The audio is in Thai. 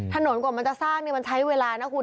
ถนนกว่ามันจะสร้างมันใช้เวลานะคุณ